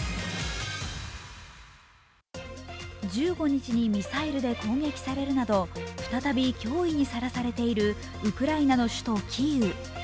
１５日にミサイルで攻撃されるなど再び脅威にさらされているウクライナの首都キーウ。